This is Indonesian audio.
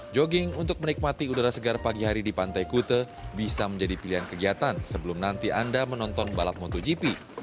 jogging untuk menikmati udara segar pagi hari di pantai kute bisa menjadi pilihan kegiatan sebelum nanti anda menonton balap motogp